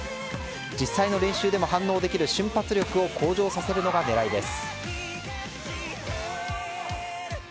実際の練習でも反応できる瞬発力を向上させるのが狙いです。